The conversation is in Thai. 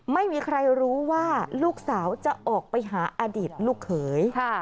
ไม่มีใครรู้ว่าลูกสาวจะออกไปหาอดีตลูกเขย